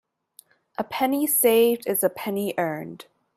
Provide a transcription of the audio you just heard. A penny saved is a penny earned.